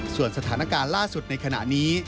ส่วนสถานการณ์ล่าสุดในขณะนี้